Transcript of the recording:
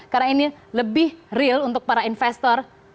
karena ini lebih real untuk para investor